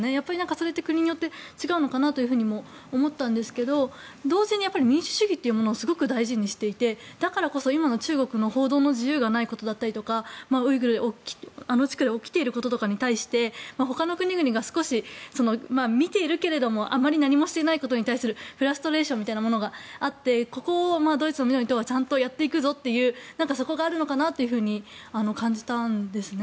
それって国によって違うのかなとも思ったんですけど同時に民主主義というものをすごく大事にしていてだからこそ、今の中国の報道の自由がないことだったりとかウイグルの地区で起きていることとかに対してほかの国々が少し見ているけれどもあまり何もしていないことに対するフラストレーションみたいなものがあってここをドイツの緑の党はちゃんとやっていくぞというそこがあるのかなと感じたんですね。